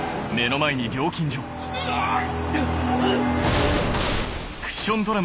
うわっ！